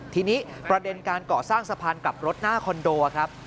ทีนี้ประเด็นการก่อสร้างสะพานกลับรถหน้าคอนโดครับ